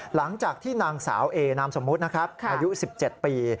หลังจากที่นางสาวเอนามสมมุตินะครับอายุ๑๗ปี